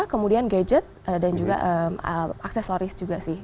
kemudian gadget dan juga aksesoris juga sih